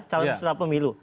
calon peserta pemilu